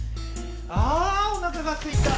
あおなかがすいた！